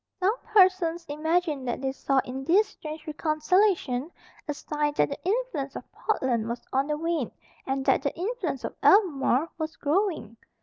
Some persons imagined that they saw in this strange reconciliation a sign that the influence of Portland was on the wane and that the influence of Albemarle was growing.